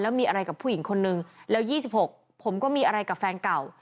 มีอะไรกับผู้หญิงคนนึงแล้ว๒๖ผมก็มีอะไรกับแฟนเก่า